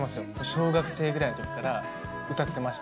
小学生ぐらいの時から歌ってました。